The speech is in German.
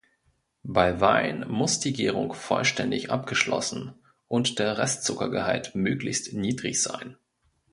Bei Wein muss die Gärung vollständig abgeschlossen und der Restzuckergehalt möglichst niedrig sein.